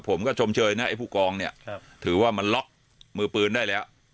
ผมก็ชมเชยนะไอ้ผู้กองเนี่ยถือว่ามันล็อกมือปืนได้แล้ว